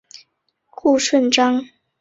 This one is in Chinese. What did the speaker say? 顾顺章。